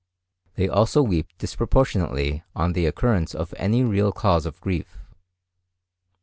They also weep disproportionately on the occurrence of any real cause of grief.